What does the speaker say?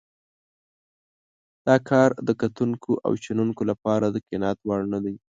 دا کار د کتونکو او شنونکو لپاره د قناعت وړ نه دی.